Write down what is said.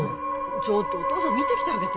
ちょっとお父さん見てきてあげて・